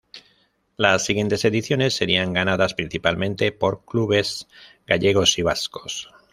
Las siguientes ediciones serían ganadas principalmente por clubes gallegos y vascos.